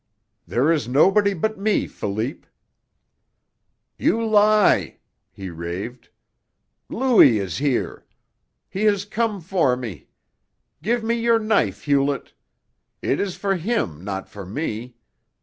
"There is nobody but me, Philippe!" "You lie!" he raved. "Louis is here! He has come for me! Give me your knife, Hewlett. It is for him, not for me.